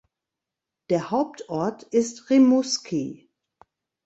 Der Hauptort ist Rimouski.